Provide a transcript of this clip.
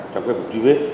trong cái vụ truy vết